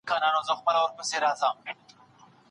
معلم صاحب کله زموږ پاڼه وړاندي کړه؟